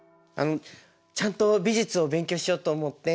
ちゃんと美術を勉強しようと思って。